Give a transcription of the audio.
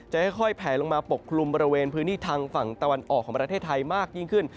จะค่อยแผลลงมาปกคลุมบริเวณพื้นที่ทางฝั่งตะวันออกของประเทศไทยมากยิ่งขึ้น